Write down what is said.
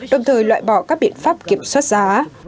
đồng thời loại bỏ các biện pháp kiểm soát giá